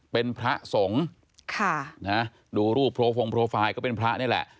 เป็นพระสงฆ์นะครับดูรูปโปรไฟล์ก็เป็นพระนี่แหละ